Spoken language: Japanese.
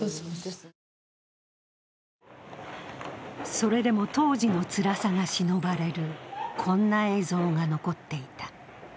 それでも当時のつらさがしのばれる、こんな映像が残っていた。